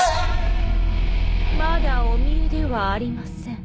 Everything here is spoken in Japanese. まだおみえではありません。